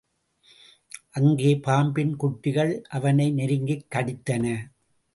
அங்கே பாம்பின் குட்டிகள் அவனை நெருங்கிக் கடித்தன.